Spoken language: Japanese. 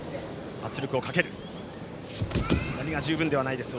圧力をかける。